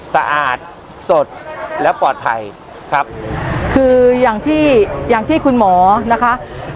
สะอาดสดและปลอดภัยครับคืออย่างที่อย่างที่คุณหมอนะคะ